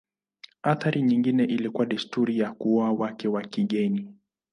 Athari nyingine ilikuwa desturi ya kuoa wake wa kigeni.